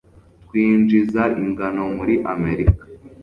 Twinjiza ingano muri Amerika